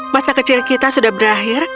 masa kecil kita sudah berakhir